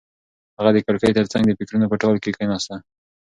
هغه د کړکۍ تر څنګ د فکرونو په ټال کې کېناسته.